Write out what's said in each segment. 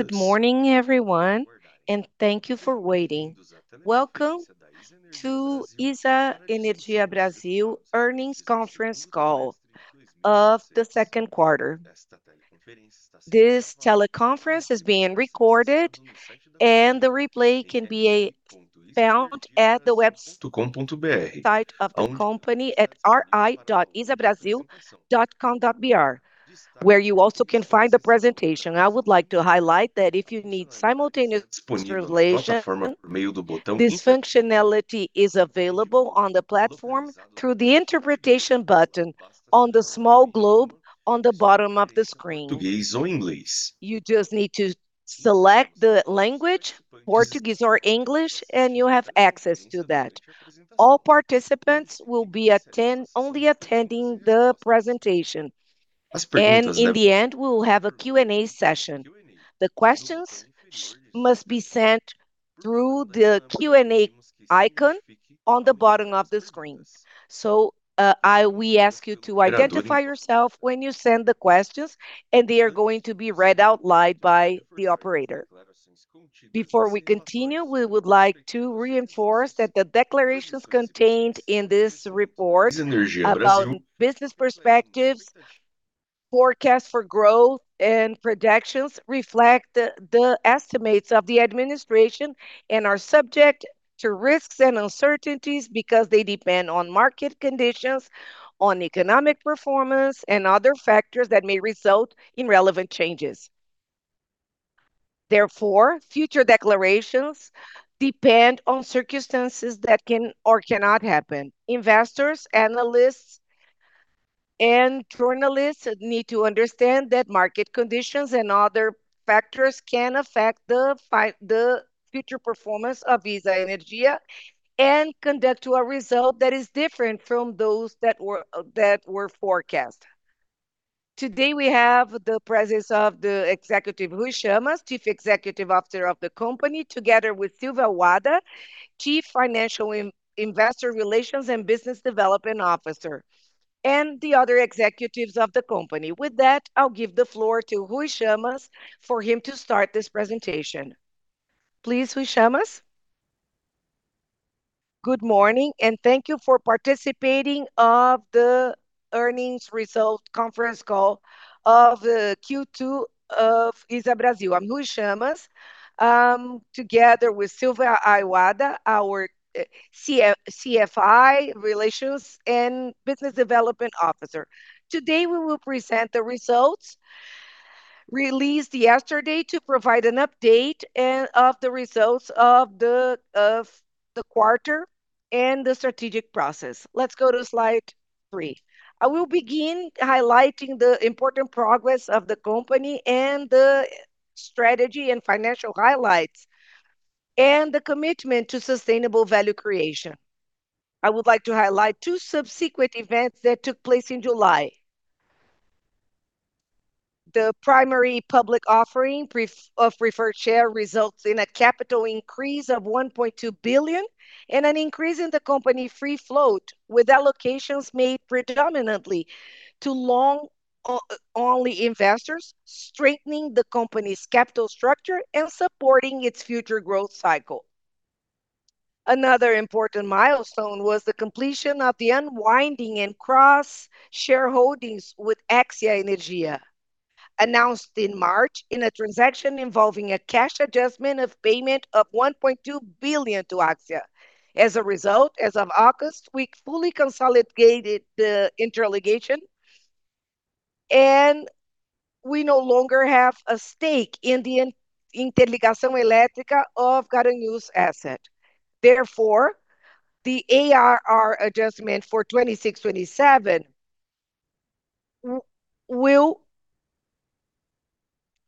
Good morning, everyone, and thank you for waiting. Welcome to ISA Energia Brasil earnings conference call of the second quarter. This teleconference is being recorded, and the replay can be found at the website of the company at ri.isacteep.com.br, where you also can find the presentation. I would like to highlight that if you need simultaneous translation, this functionality is available on the platform through the interpretation button on the small globe on the bottom of the screen. You just need to select the language, Portuguese or English, and you have access to that. All participants will be only attending the presentation. In the end, we will have a Q&A session. The questions must be sent through the Q&A icon on the bottom of the screen. We ask you to identify yourself when you send the questions, and they are going to be read out loud by the operator. Before we continue, we would like to reinforce that the declarations contained in this report about business perspectives, forecast for growth, and projections reflect the estimates of the administration and are subject to risks and uncertainties because they depend on market conditions, on economic performance, and other factors that may result in relevant changes. Therefore, future declarations depend on circumstances that can or cannot happen. Investors, analysts, and journalists need to understand that market conditions and other factors can affect the future performance of ISA Energia and conduct to a result that is different from those that were forecast. Today, we have the presence of the executive Rui Chammas, Chief Executive Officer of the company, together with Silvia Wada, Chief Financial, Investor Relations, and Business Development Officer, and the other executives of the company. With that, I'll give the floor to Rui Chammas for him to start this presentation. Please, Rui Chammas. Good morning, and thank you for participating of the earnings result conference call of the Q2 of ISA Energia Brasil. I'm Rui Chammas, together with Silvia Wada, our CFO, Investor Relations, and Business Development Officer. Today, we will present the results released yesterday to provide an update of the results of the quarter and the strategic process. Let's go to slide three. I will begin highlighting the important progress of the company and the strategy and financial highlights and the commitment to sustainable value creation. I would like to highlight two subsequent events that took place in July. The primary public offering of preferred share results in a capital increase of 1.2 billion and an increase in the company free float with allocations made predominantly to long-only investors, strengthening the company's capital structure and supporting its future growth cycle. Another important milestone was the completion of the unwinding and cross-shareholdings with AXIA Energia, announced in March in a transaction involving a cash adjustment of payment of 1.2 billion to AXIA. As a result, as of August, we fully consolidated the Interligação, and we no longer have a stake in the Interligação Elétrica Garanhuns asset. Therefore, the ARR adjustment for 2026/2027 will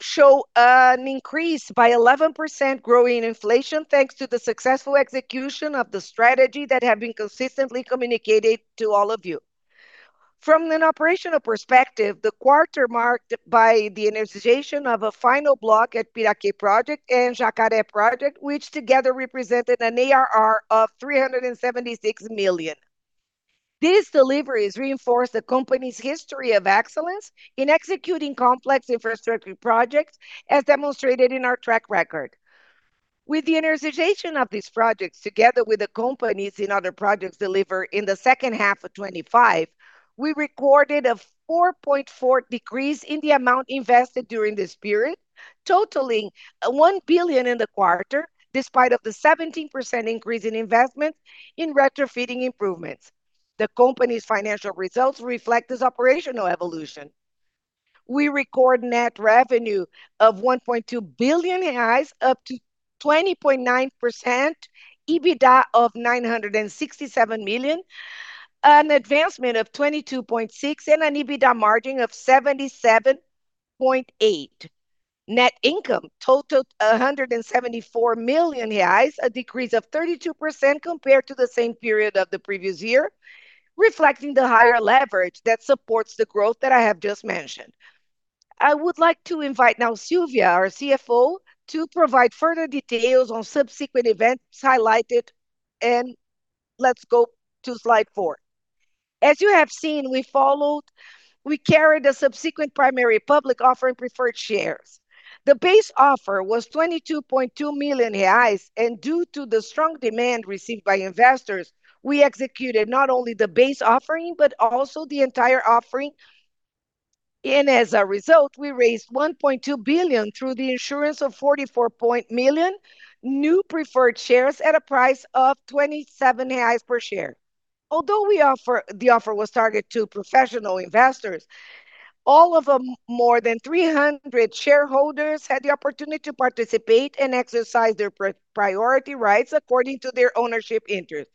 show an increase by 11% growing inflation, thanks to the successful execution of the strategy that have been consistently communicated to all of you. From an operational perspective, the quarter marked by the initialization of a final block at Piraquê Project and Jacarandá Project, which together represented an ARR of 376 million. These deliveries reinforce the company's history of excellence in executing complex infrastructure projects as demonstrated in our track record. With the initialization of these projects, together with the companies in other projects delivered in the second half of 2025, we recorded a 4.4% decrease in the amount invested during this period, totaling 1 billion in the quarter, despite the 17% increase in investment in retrofitting improvements. The company's financial results reflect this operational evolution. We record net revenue of 1.2 billion reais, up to 20.9%, EBITDA of 967 million, an advancement of 22.6% and an EBITDA margin of 77.8%. Net income totaled 174 million reais, a decrease of 32% compared to the same period of the previous year, reflecting the higher leverage that supports the growth that I have just mentioned. I would like to invite now Silvia, our CFO, to provide further details on subsequent events highlighted, and let's go to slide four. As you have seen, we carried a subsequent primary public offering preferred shares. The base offer was 22.2 million reais, and due to the strong demand received by investors, we executed not only the base offering, but also the entire offering. As a result, we raised 1.2 billion through the issuance of 44 million new preferred shares at a price of 27 reais per share. Although the offer was targeted to professional investors, all of them, more than 300 shareholders, had the opportunity to participate and exercise their priority rights according to their ownership interest.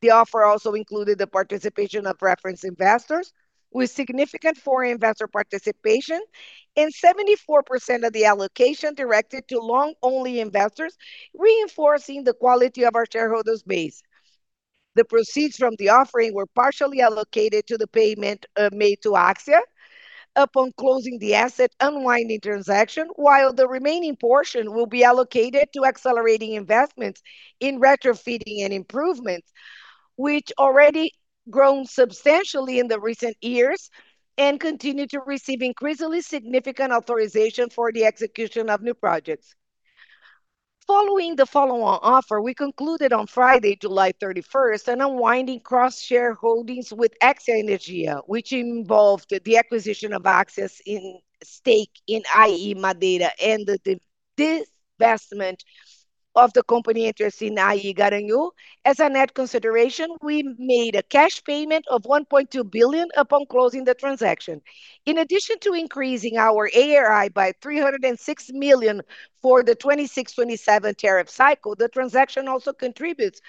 The offer also included the participation of reference investors with significant foreign investor participation, and 74% of the allocation directed to long-only investors, reinforcing the quality of our shareholders' base. The proceeds from the offering were partially allocated to the payment made to AXIA upon closing the asset unwinding transaction, while the remaining portion will be allocated to accelerating investments in retrofitting and improvements, which already grown substantially in the recent years and continue to receive increasingly significant authorization for the execution of new projects. Following the follow-on offer, we concluded on Friday, July 31st, an unwinding cross-shareholdings with AXIA Energia, which involved the acquisition of AXIA's stake in IE Madeira, and the divestment of the company interest in IE Garanhuns. As a net consideration, we made a cash payment of 1.2 billion upon closing the transaction. In addition to increasing our ARR by 306 million for the 2026/2027 tariff cycle, the transaction also contributes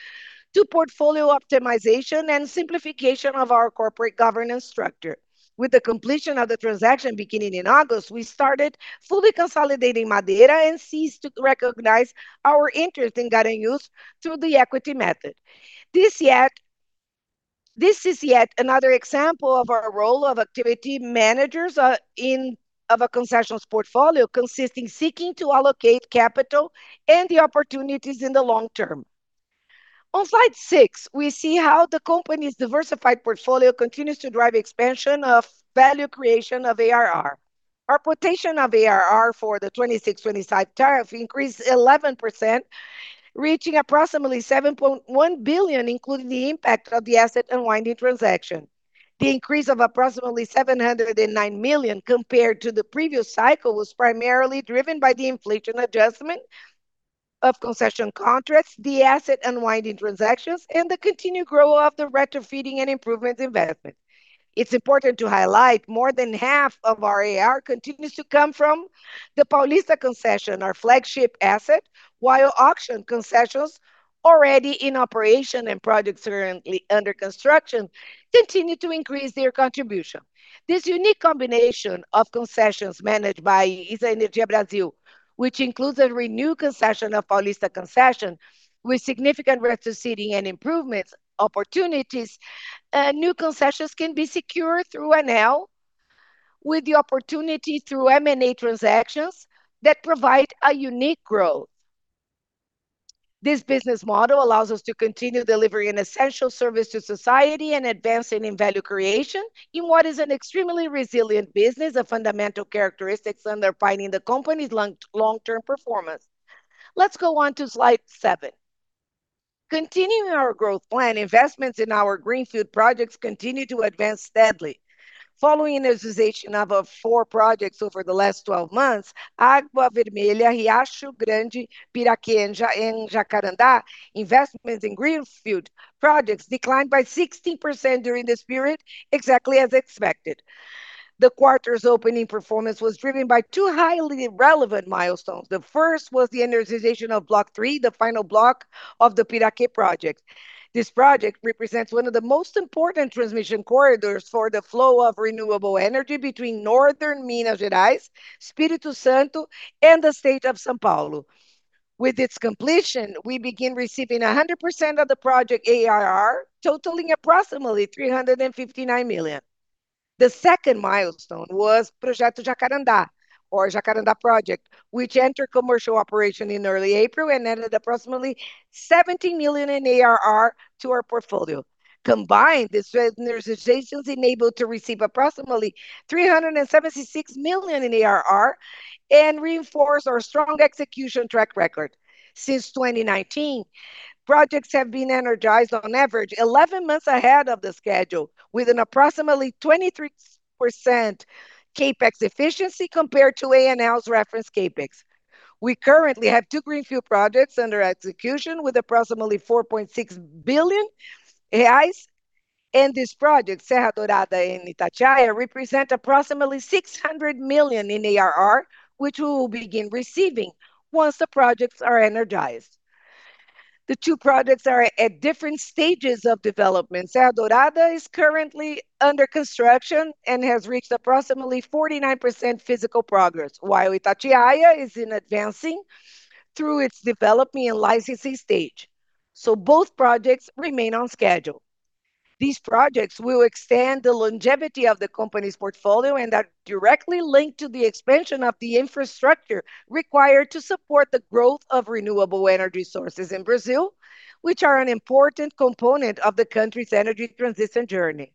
to portfolio optimization and simplification of our corporate governance structure. With the completion of the transaction beginning in August, we started fully consolidating Madeira and ceased to recognize our interest in Garanhuns through the equity method. This is yet another example of our role of activity managers of a concessional portfolio consisting seeking to allocate capital and the opportunities in the long term. On slide six, we see how the company's diversified portfolio continues to drive expansion of value creation of ARR. Our quotation of ARR for the 2026/2027 tariff increased 11%, reaching approximately 7.1 billion, including the impact of the asset unwinding transaction. The increase of approximately 709 million compared to the previous cycle was primarily driven by the inflation adjustment of concession contracts, the asset unwinding transactions, and the continued growth of the retrofitting and improvements investment. It's important to highlight, more than half of our ARR continues to come from the Paulista Concession, our flagship asset, while auction concessions already in operation and projects currently under construction continue to increase their contribution. This unique combination of concessions managed by ISA Energia Brasil, which includes a renewed concession of Paulista Concession with significant retrofitting and improvements opportunities. New concessions can be secured through ANEEL with the opportunity through M&A transactions that provide a unique growth. This business model allows us to continue delivering an essential service to society and advancing in value creation in what is an extremely resilient business, the fundamental characteristics underpinning the company's long-term performance. Let's go on to slide seven. Continuing our growth plan, investments in our greenfield projects continue to advance steadily. Following the energization of our four projects over the last 12 months, Água Vermelha, Riacho Grande, Piraquê, and Jacarandá, investments in greenfield projects declined by 60% during this period, exactly as expected. The quarter's opening performance was driven by two highly relevant milestones. The first was the energization of Block 3, the final block of the Piraquê Project. This project represents one of the most important transmission corridors for the flow of renewable energy between northern Minas Gerais, Espírito Santo, and the State of São Paulo. With its completion, we begin receiving 100% of the project ARR, totaling approximately 359 million. The second milestone was Projeto Jacarandá, or Jacarandá Project, which entered commercial operation in early April and added approximately 17 million in ARR to our portfolio. Combined, these energizations enabled to receive approximately 376 million in ARR and reinforce our strong execution track record. Since 2019, projects have been energized on average 11 months ahead of the schedule with an approximately 23% CapEx efficiency compared to ANEEL's reference CapEx. We currently have two greenfield projects under execution with approximately 4.6 billion reais, and these projects, Serra Dourada and Itatiaia, represent approximately 600 million in ARR, which we will begin receiving once the projects are energized. The two projects are at different stages of development. Serra Dourada is currently under construction and has reached approximately 49% physical progress, while Itatiaia is advancing through its developing and licensing stage. Both projects remain on schedule. These projects will extend the longevity of the company's portfolio and are directly linked to the expansion of the infrastructure required to support the growth of renewable energy sources in Brazil, which are an important component of the country's energy transition journey.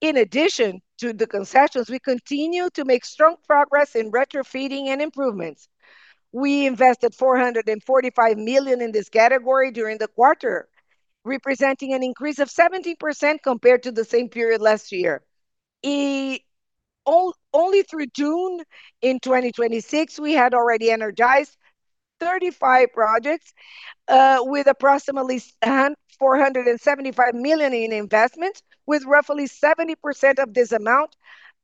In addition to the concessions, we continue to make strong progress in retrofitting and improvements. We invested 445 million in this category during the quarter, representing an increase of 17% compared to the same period last year. Only through June 2026, we had already energized 35 projects with approximately 475 million in investment, with roughly 70% of this amount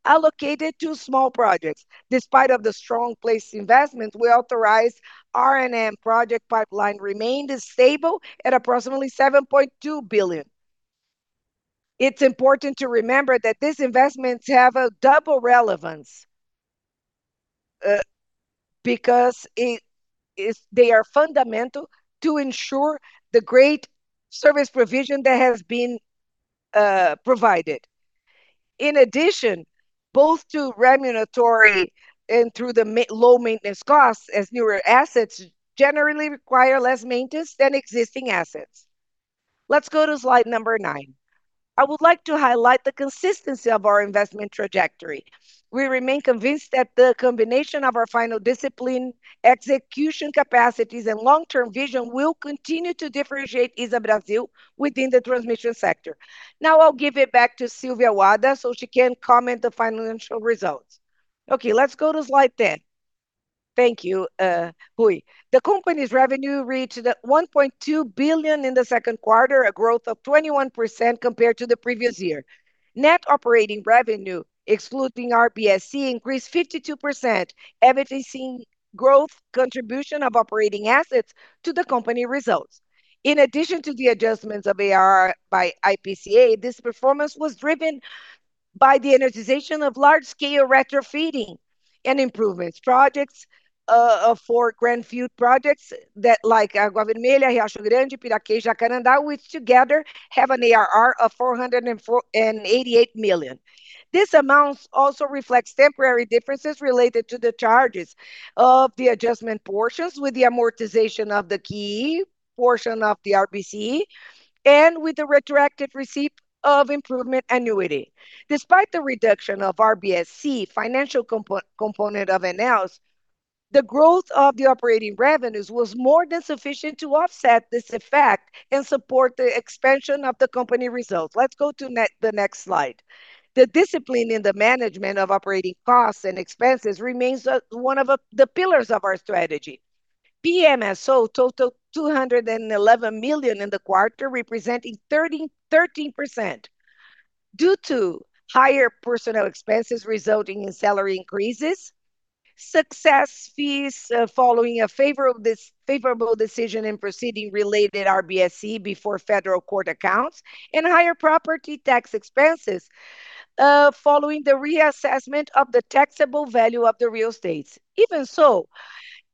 allocated to small projects. Despite the strong place investments we authorized, R&I project pipeline remained stable at approximately 7.2 billion. It's important to remember that these investments have a double relevance, because they are fundamental to ensure the great service provision that has been provided. In addition, both to remuneratory and through the low maintenance costs, as newer assets generally require less maintenance than existing assets. Let's go to slide number nine. I would like to highlight the consistency of our investment trajectory. We remain convinced that the combination of our financial discipline, execution capacities, and long-term vision will continue to differentiate ISA Energia Brasil within the transmission sector. Now I'll give it back to Silvia Wada so she can comment the financial results. Okay, let's go to slide 10. Thank you, Rui. The company's revenue reached 1.2 billion in the second quarter, a growth of 21% compared to the previous year. Net operating revenue, excluding RBSE, increased 52%, evidencing growth contribution of operating assets to the company results. In addition to the adjustments of ARR by IPCA, this performance was driven by the energization of large-scale retrofitting and improvements projects for greenfield projects, like Água Vermelha, Riacho Grande, Piraquê and Jacarandá, which together have an ARR of 488 million. This amount also reflects temporary differences related to the charges of the adjustment portions with the amortization of the key portion of the RBSE and with the retroactive receipt of improvement annuity. Despite the reduction of RBSE, financial component of ANEEL, the growth of the operating revenues was more than sufficient to offset this effect and support the expansion of the company results. Let's go to the next slide. The discipline in the management of operating costs and expenses remains one of the pillars of our strategy. PMSO totaled 211 million in the quarter, representing 13% due to higher personnel expenses resulting in salary increases, success fees following a favorable decision in proceeding related RBSE before Tribunal de Contas da União, and higher property tax expenses following the reassessment of the taxable value of the real estates. Even so,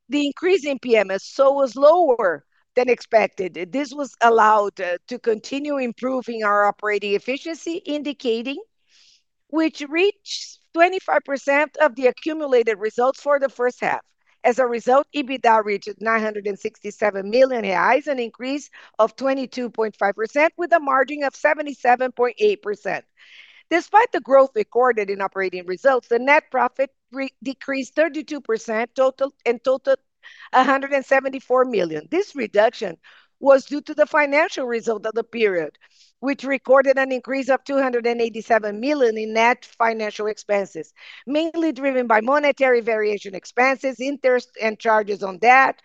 the increase in PMSO was lower than expected. This was allowed to continue improving our operating efficiency indicating, which reached 25% of the accumulated results for the first half. As a result, EBITDA reached 967 million reais, an increase of 22.5% with a margin of 77.8%. Despite the growth recorded in operating results, the net profit decreased 32% and totaled 174 million. This reduction was due to the financial result of the period, which recorded an increase of 287 million in net financial expenses, mainly driven by monetary variation expenses, interest, and charges on debt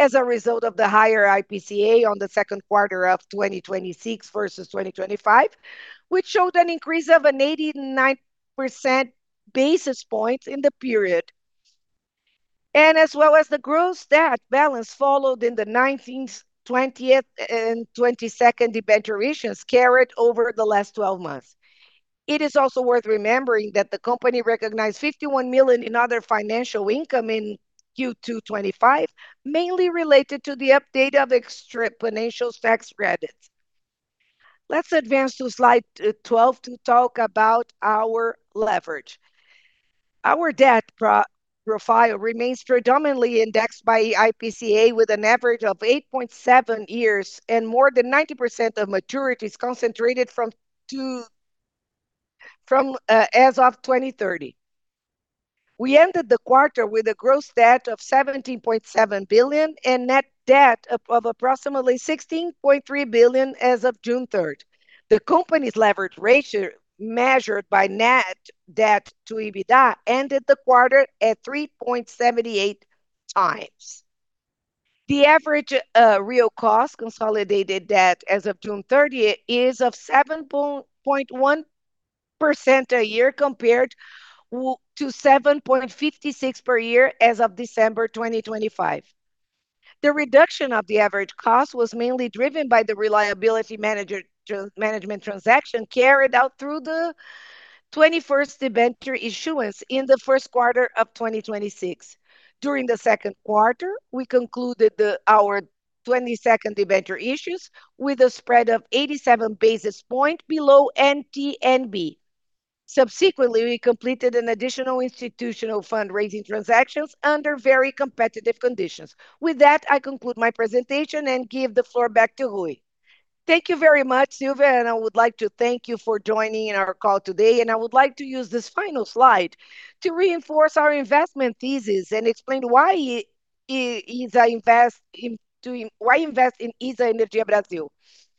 as a result of the higher IPCA on the second quarter of 2026 versus 2025, which showed an increase of an 89 basis points in the period. As well as the gross debt balance followed in the 19th, 20th, and 22nd debentures carried over the last 12 months. It is also worth remembering that the company recognized 51 million in other financial income in Q2 2025, mainly related to the update of extemporaneous tax credits. Let's advance to slide 12 to talk about our leverage. Our debt profile remains predominantly indexed by IPCA with an average of 8.7 years and more than 90% of maturities concentrated as of 2030. We ended the quarter with a gross debt of 17.7 billion and net debt of approximately 16.3 billion as of June 3rd. The company's leverage ratio, measured by net debt to EBITDA, ended the quarter at 3.78x. The average real cost consolidated debt as of June 30th is of 7.1% a year compared to 7.56% per year as of December 2025. The reduction of the average cost was mainly driven by the reliability management transaction carried out through the 21st debenture issuance in the first quarter of 2026. During the second quarter, we concluded our 22nd debenture issues with a spread of 87 basis points below NTN-B. Subsequently, we completed an additional institutional fundraising transactions under very competitive conditions. With that, I conclude my presentation and give the floor back to Rui. Thank you very much, Silvia, and I would like to thank you for joining our call today. I would like to use this final slide to reinforce our investment thesis and explain why invest in ISA Energia Brasil.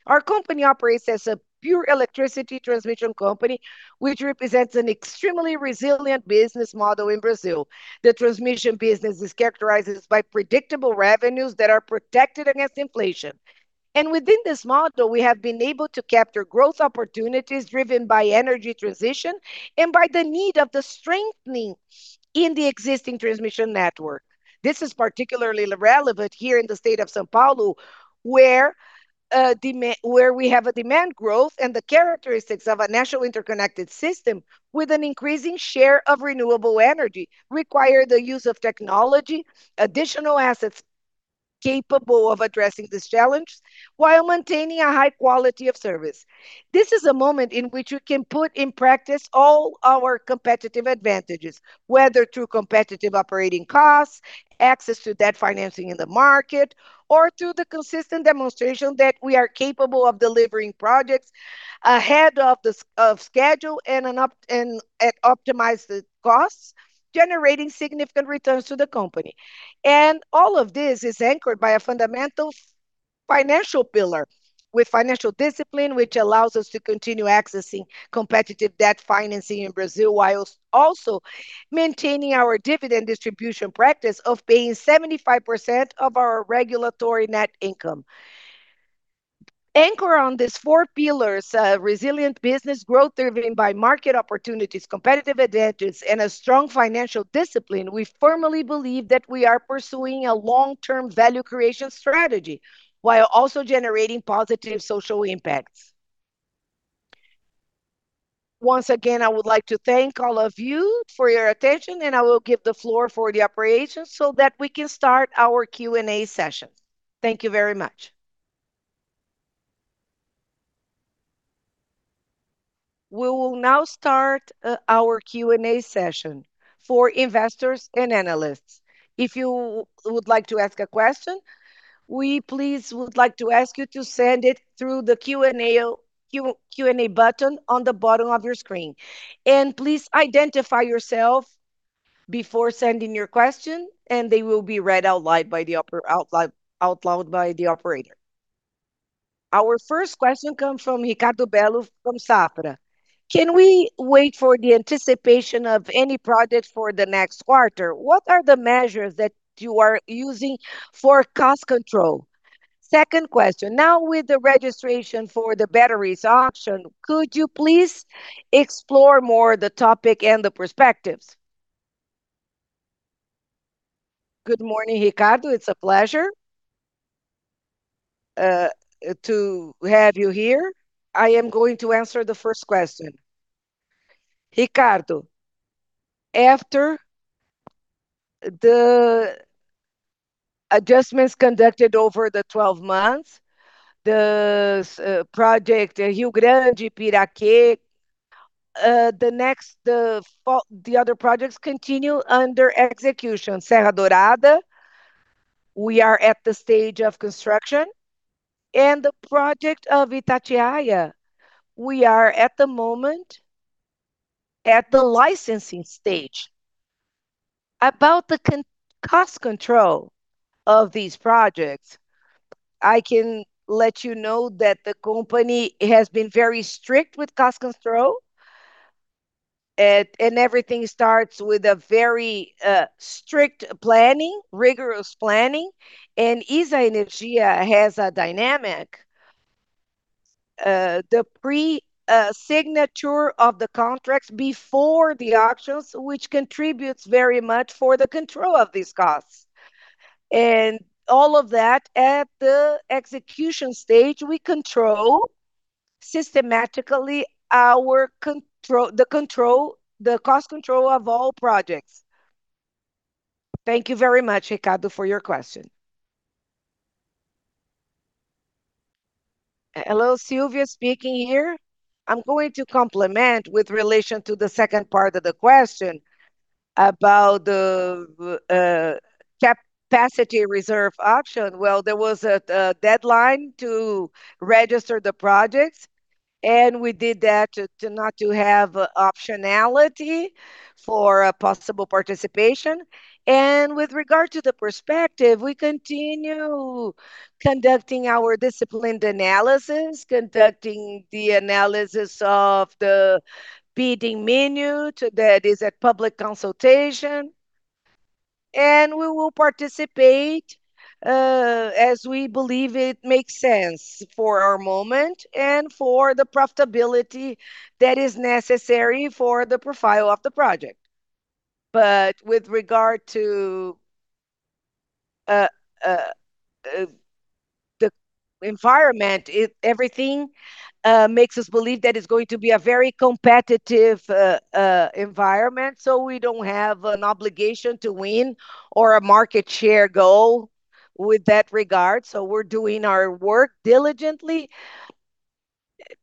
Our company operates as a pure electricity transmission company, which represents an extremely resilient business model in Brazil. The transmission business is characterized by predictable revenues that are protected against inflation. Within this model, we have been able to capture growth opportunities driven by energy transition and by the need of the strengthening in the existing transmission network. This is particularly relevant here in the state of São Paulo, where we have a demand growth and the characteristics of a national interconnected system with an increasing share of renewable energy, require the use of technology, additional assets capable of addressing this challenge, while maintaining a high quality of service. This is a moment in which we can put in practice all our competitive advantages, whether through competitive operating costs, access to debt financing in the market, or through the consistent demonstration that we are capable of delivering projects ahead of schedule and at optimized costs, generating significant returns to the company. All of this is anchored by a fundamental financial pillar with financial discipline, which allows us to continue accessing competitive debt financing in Brazil, while also maintaining our dividend distribution practice of paying 75% of our regulatory net income. Anchored on these four pillars, a resilient business growth driven by market opportunities, competitive advantages, and a strong financial discipline, we firmly believe that we are pursuing a long-term value creation strategy, while also generating positive social impacts. Once again, I would like to thank all of you for your attention, I will give the floor for the operations so that we can start our Q&A session. Thank you very much. We will now start our Q&A session for investors and analysts. If you would like to ask a question, we please would like to ask you to send it through the Q&A button on the bottom of your screen. Please identify yourself before sending your question, and they will be read out loud by the operator. Our first question comes from Ricardo Bello from Safra. Can we wait for the anticipation of any project for the next quarter? What are the measures that you are using for cost control? Second question. Now with the registration for the batteries option, could you please explore more the topic and the perspectives? Good morning, Ricardo. It's a pleasure to have you here. I am going to answer the first question. Ricardo, after the adjustments conducted over the 12 months, the project, Riacho Grande, Piraquê, the other projects continue under execution. Serra Dourada, we are at the stage of construction. The project of Itatiaia, we are, at the moment, at the licensing stage. About the cost control of these projects, I can let you know that the company has been very strict with cost control, and everything starts with a very strict planning, rigorous planning. ISA Energia has a dynamic, the pre-signature of the contracts before the auctions, which contributes very much for the control of these costs. All of that at the execution stage, we control systematically the cost control of all projects. Thank you very much, Ricardo, for your question. Hello, Silvia speaking here. I'm going to complement with relation to the second part of the question about the capacity reserve option. Well, there was a deadline to register the projects, and we did that to not to have optionality for a possible participation. With regard to the perspective, we continue conducting our disciplined analysis, conducting the analysis of the bidding minute that is at public consultation. We will participate, as we believe it makes sense for our moment and for the profitability that is necessary for the profile of the project. With regard to the environment, everything makes us believe that it's going to be a very competitive environment. We don't have an obligation to win or a market share goal with that regard. We're doing our work diligently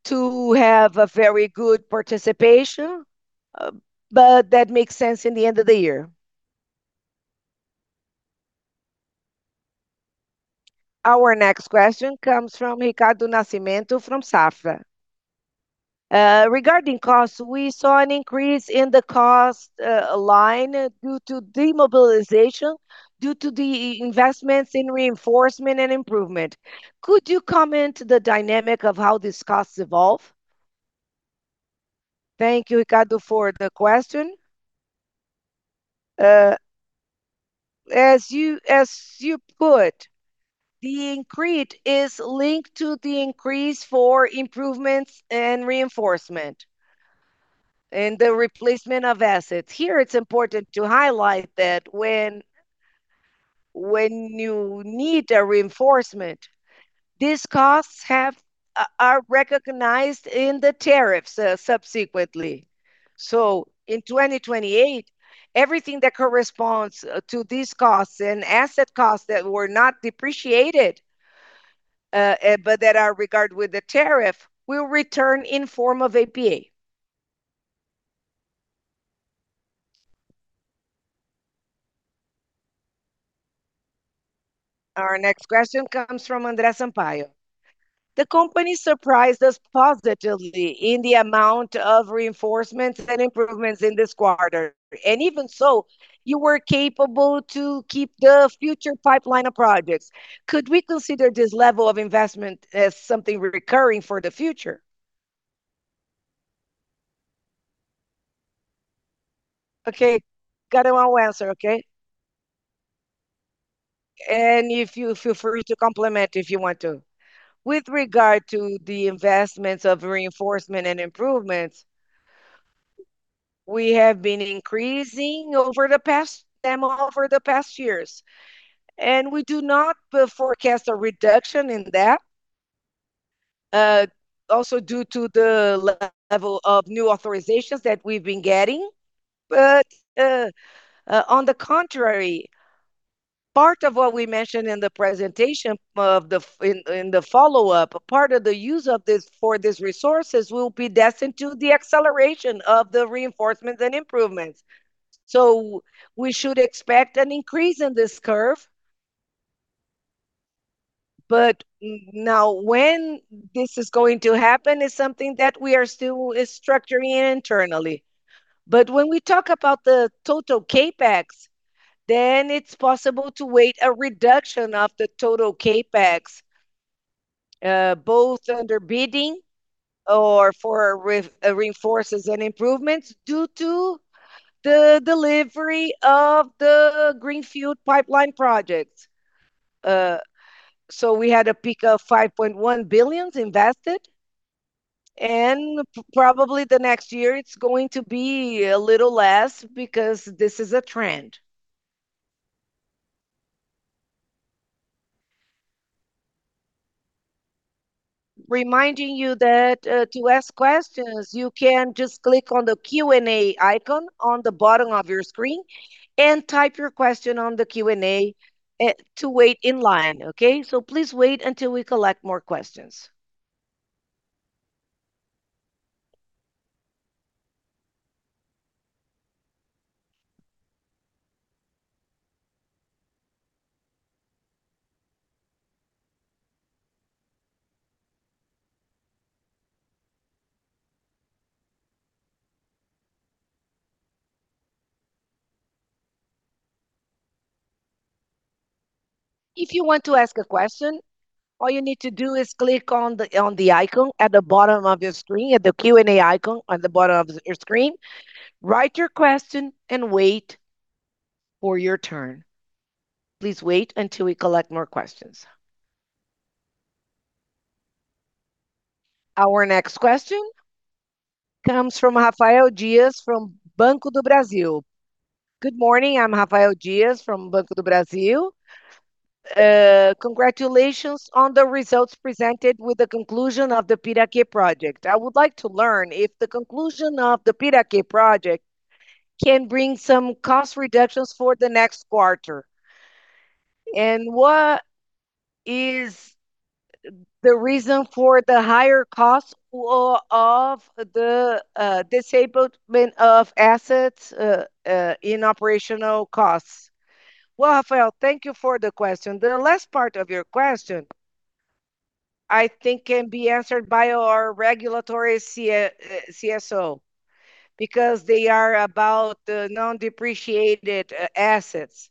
to have a very good participation, but that makes sense in the end of the year. Our next question comes from Ricardo Nascimento from Safra. Regarding costs, we saw an increase in the cost line due to demobilization, due to the investments in R&I. Could you comment the dynamic of how these costs evolve? Thank you, Ricardo, for the question. As you put, the increase is linked to the increase for R&I, and the replacement of assets. Here, it's important to highlight that when you need a reinforcement, these costs are recognized in the tariffs subsequently. In 2028, everything that corresponds to these costs and asset costs that were not depreciated, but that are regarded with the tariff, will return in form of RAP. Our next question comes from Andre Sampaio. The company surprised us positively in the amount of R&I in this quarter, even so, you were capable to keep the future pipeline of projects. Could we consider this level of investment as something recurring for the future? Okay, Carvalho will answer, okay? Feel free to complement if you want to. With regard to the investments of R&I, we have been increasing them over the past years, we do not forecast a reduction in that, also due to the level of new authorizations that we've been getting. On the contrary, part of what we mentioned in the presentation in the follow-up, part of the use for these resources will be destined to the acceleration of the Reinforcements and Improvements. We should expect an increase in this curve. Now when this is going to happen is something that we are still structuring internally. When we talk about the total CapEx, it is possible to expect a reduction of the total CapEx, both under bidding or for R&I due to the delivery of the greenfield pipeline project. We had a peak of 5.1 billion invested, and probably next year, it is going to be a little less because this is a trend. Reminding you that to ask questions, you can just click on the Q&A icon on the bottom of your screen and type your question on the Q&A to wait in line, okay? Please wait until we collect more questions. If you want to ask a question, all you need to do is click on the icon at the bottom of your screen, at the Q&A icon on the bottom of your screen. Write your question and wait for your turn. Please wait until we collect more questions. Our next question comes from Rafael Dias from Banco do Brasil. Good morning. I am Rafael Dias from Banco do Brasil. Congratulations on the results presented with the conclusion of the Piraquê Project. I would like to learn if the conclusion of the Piraquê Project can bring some cost reductions for the next quarter, and what is the reason for the higher cost of the disablement of assets in operational costs. Rafael, thank you for the question. The last part of your question, I think, can be answered by our regulatory CSO because they are about the non-depreciated assets.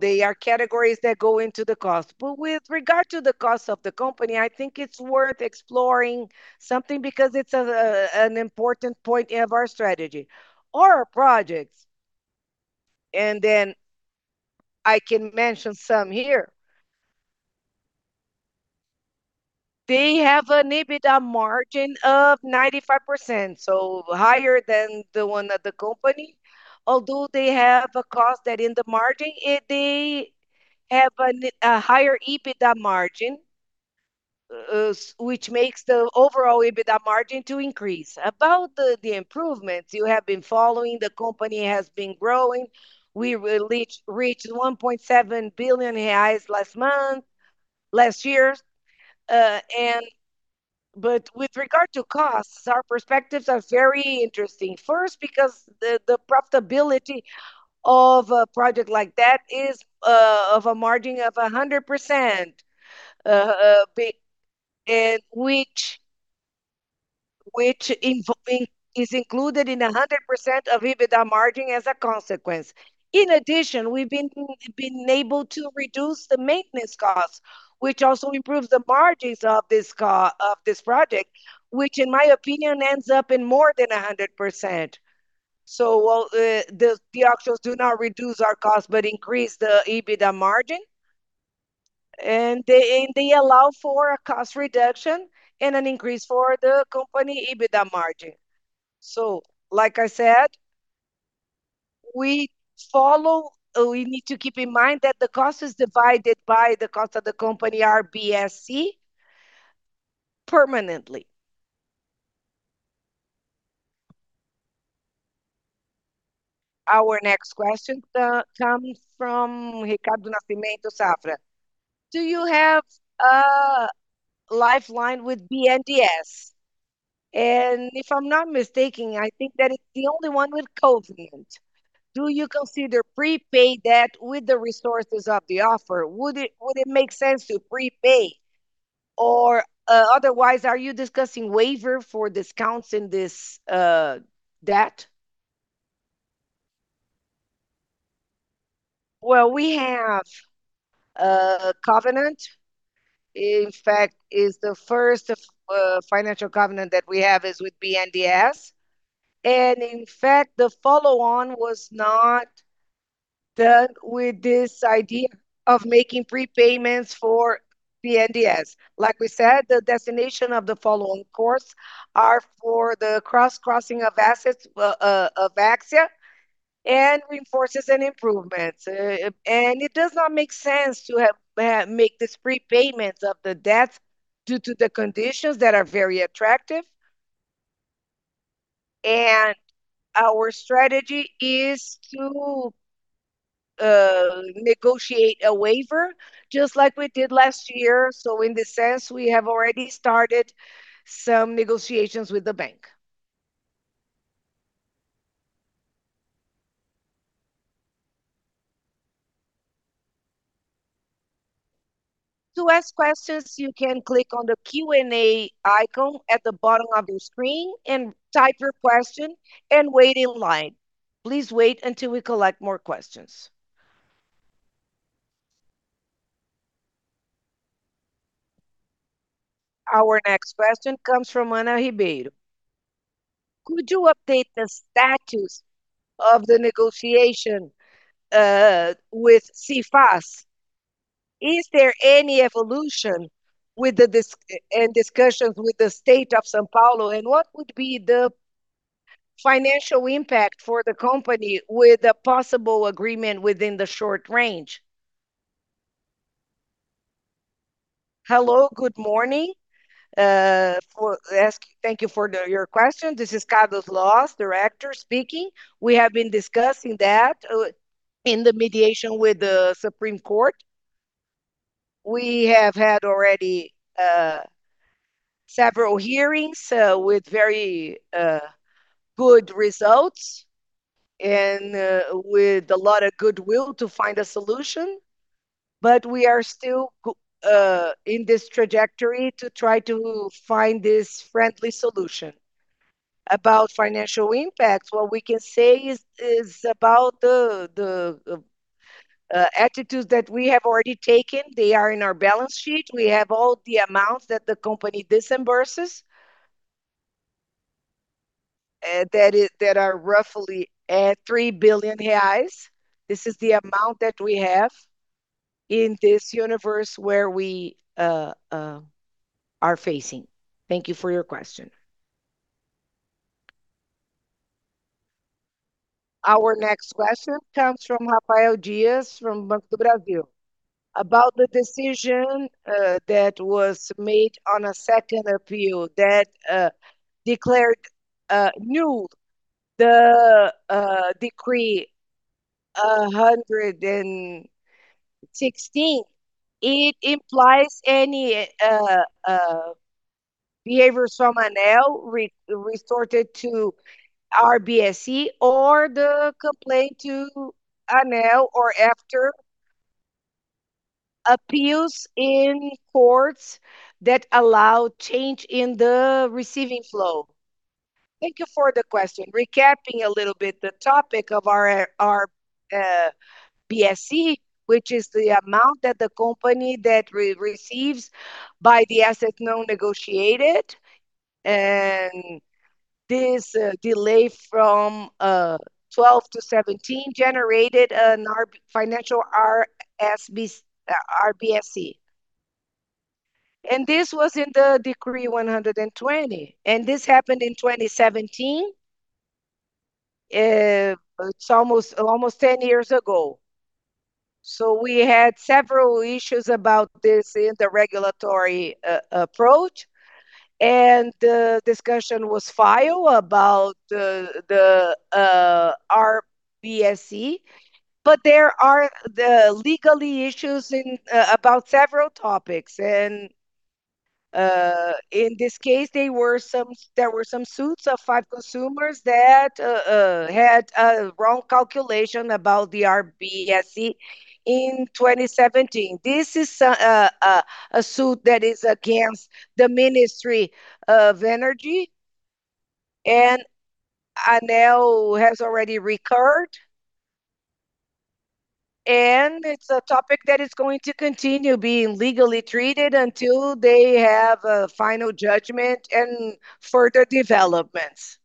They are categories that go into the cost. With regard to the cost of the company, I think it is worth exploring something because it is an important point of our strategy. Our projects, then I can mention some here. They have an EBITDA margin of 95%, higher than the one at the company. Although they have a cost that in the margin, they have a higher EBITDA margin, which makes the overall EBITDA margin to increase. About the improvements you have been following, the company has been growing. We reached 1.7 billion reais last year. With regard to costs, our perspectives are very interesting. First, because the profitability of a project like that is of a margin of 100%, which is included in 100% of EBITDA margin as a consequence. In addition, we have been able to reduce the maintenance cost, which also improves the margins of this project, which in my opinion ends up in more than 100%. While the de-crossings do not reduce our cost but increase the EBITDA margin, and they allow for a cost reduction and an increase for the company EBITDA margin. Like I said, we need to keep in mind that the cost is divided by the cost of the company RBSE permanently. Our next question comes from Ricardo Nascimento, Safra. "Do you have a lifeline with BNDES? If I am not mistaken, I think that is the only one with covenant. Do you consider prepaid debt with the resources of the offer? Would it make sense to prepay or, otherwise, are you discussing waiver for discounts in this debt?" We have a covenant. In fact, it is the first financial covenant that we have with BNDES. In fact, the follow-on was not done with this idea of making prepayments for BNDES. Like we said, the destination of the follow-on course are for the cross-crossing of assets of AXIA and reinforces and improvements. It does not make sense to make these prepayments of the debt due to the conditions that are very attractive. Our strategy is to negotiate a waiver, just like we did last year. In this sense, we have already started some negotiations with the bank. To ask questions, you can click on the Q&A icon at the bottom of your screen and type your question and wait in line. Please wait until we collect more questions. Our next question comes from Ana Ribeiro. "Could you update the status of the negotiation with SEFAZ-SP? Is there any evolution and discussions with the state of São Paulo? What would be the financial impact for the company with a possible agreement within the short range?" Hello, good morning. Thank you for your question. This is Carlos Lopes, Diretor, speaking. We have been discussing that in the mediation with the Supreme Court. We have had already several hearings, with very good results and with a lot of goodwill to find a solution, but we are still in this trajectory to try to find this friendly solution. About financial impacts, what we can say is about the attitudes that we have already taken. They are in our balance sheet. We have all the amounts that the company disburses, that are roughly at 3 billion reais. This is the amount that we have in this universe where we are facing. Thank you for your question. Our next question comes from Rafael Dias from Banco do Brasil about the decision that was made on a second appeal that declared null the Decree 116. It implies any behavior from ANEEL resorted to RBSE or the complaint to ANEEL or after appeals in courts that allow change in the receiving flow. Thank you for the question. Recapping a little bit the topic of our RBSE, which is the amount that the company that receives by the asset non-negotiated, and this delay from 2012 to 2017 generated a financial RBSE. This was in the Decree 120, and this happened in 2017. It's almost 10 years ago. We had several issues about this interregulatory approach, and the discussion was filed about the RBSE. There are legal issues about several topics. In this case, there were some suits of five consumers that had a wrong calculation about the RBSE in 2017. This is a suit that is against the Ministry of Energy, and ANEEL has already recurred. It's a topic that is going to continue being legally treated until they have a final judgment and further developments.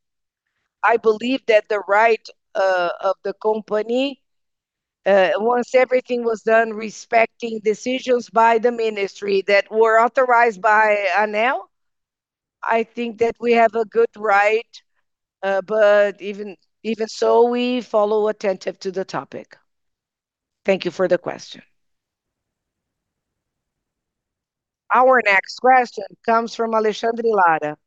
I believe that the right of the company, once everything was done respecting decisions by the Ministry that were authorized by ANEEL, I think that we have a good right. Even so, we follow attentive to the topic. Thank you for the question. Our next question comes from Alexandre Lara: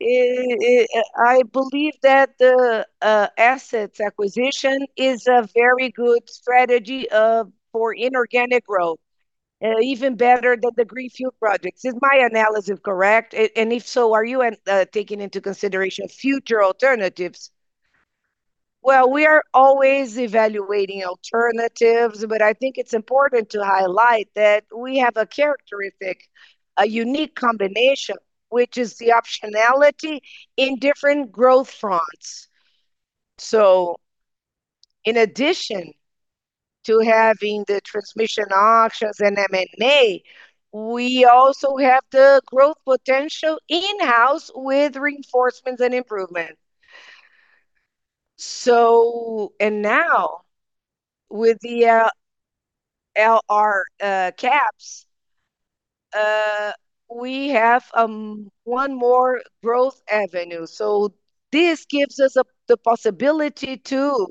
"I believe that the assets acquisition is a very good strategy for inorganic growth, even better than the greenfield projects. Is my analysis correct? If so, are you taking into consideration future alternatives?" Well, we are always evaluating alternatives, but I think it's important to highlight that we have a characteristic, a unique combination, which is the optionality in different growth fronts. In addition to having the transmission options in M&A, we also have the growth potential in-house with R&I. Now, with the LRE caps, we have one more growth avenue. This gives us the possibility to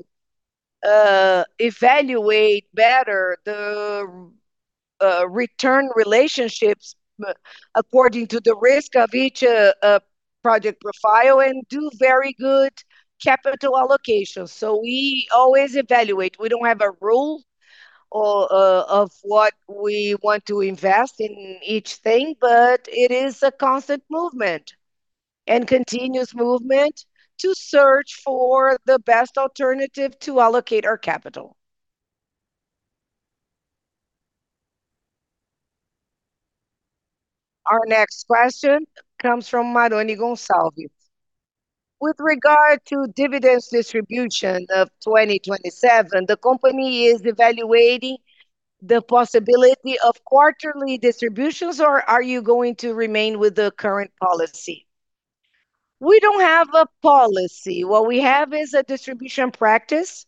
evaluate better the return relationships according to the risk of each project profile and do very good capital allocation. We always evaluate. We don't have a rule of what we want to invest in each thing, but it is a constant movement and continuous movement to search for the best alternative to allocate our capital. Our next question comes from Maroni Goncalves: "With regard to dividends distribution of 2027, the company is evaluating the possibility of quarterly distributions, or are you going to remain with the current policy?" We don't have a policy. What we have is a distribution practice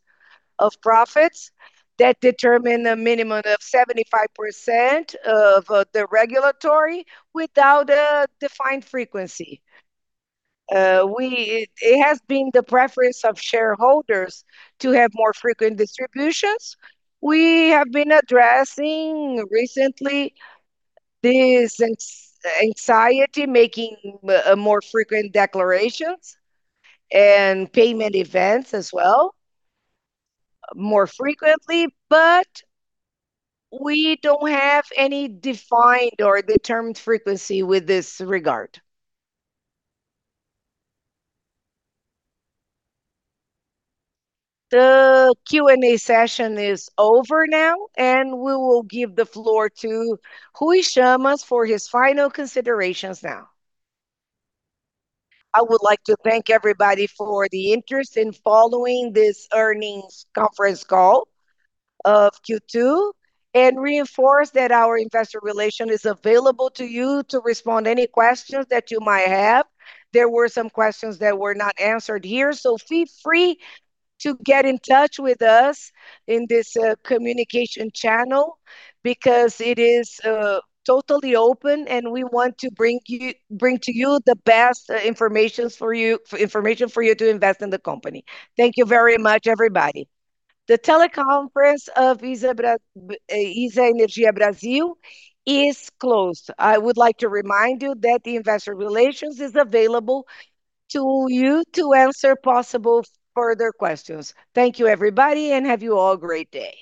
of profits that determine a minimum of 75% of the regulatory without a defined frequency. It has been the preference of shareholders to have more frequent distributions. We have been addressing recently this anxiety, making more frequent declarations and payment events as well, more frequently. We don't have any defined or determined frequency with this regard. The Q&A session is over now, and we will give the floor to Rui Chammas for his final considerations now. I would like to thank everybody for the interest in following this earnings conference call of Q2 and reinforce that our investor relation is available to you to respond any questions that you might have. There were some questions that were not answered here, feel free to get in touch with us in this communication channel because it is totally open, and we want to bring to you the best information for you to invest in the company. Thank you very much, everybody. The teleconference of ISA Energia Brasil is closed. I would like to remind you that the investor relations is available to you to answer possible further questions. Thank you, everybody, and have you all a great day.